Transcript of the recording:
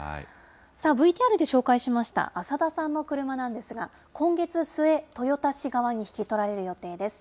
さあ、ＶＴＲで紹介しました浅田さんの車なんですが、今月末、豊田市側に引き取られる予定です。